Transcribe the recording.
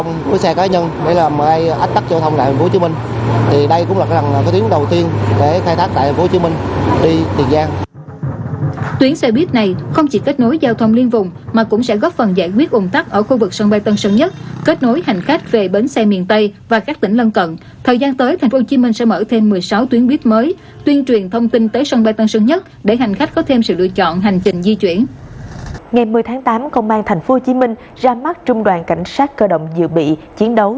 ngày một mươi tháng tám công an tp hcm ra mắt trung đoàn cảnh sát cơ động dự bị chiến đấu